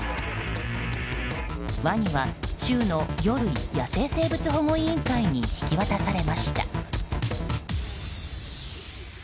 ワニは州の魚類・野生生物保護委員会に引き渡されました。